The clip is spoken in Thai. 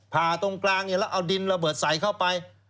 ผ่าตรงกลางเนี่ยแล้วเอาดินระเบิดใส่เข้าไป